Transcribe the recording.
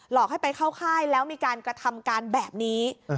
อกให้ไปเข้าค่ายแล้วมีการกระทำการแบบนี้